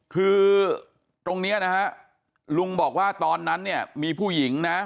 คือตรงนี้นะฮะลุงบอกว่าตอนนั้นเนี่ยมีผู้หญิงนะ